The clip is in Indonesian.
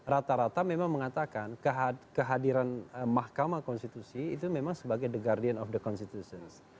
rata rata memang mengatakan kehadiran mahkamah konstitusi itu memang sebagai the guardian of the constitutions